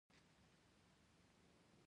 هوټل والا له چلوونکو د ډوډۍ پيسې نه اخلي.